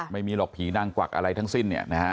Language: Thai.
ไม่มีหรอกผีนางกวักอะไรทั้งสิ้น